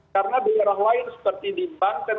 karena daerah lain seperti di bangkang